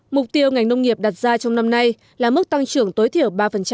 mục tiêu ngành nông nghiệp đặt ra trong năm nay là mức tăng trưởng tối thiểu ba